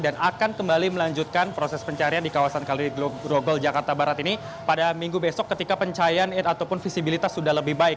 dan akan kembali melanjutkan proses pencarian di kawasan groggol jakarta barat ini pada minggu besok ketika pencahayaan ataupun visibilitas sudah lebih baik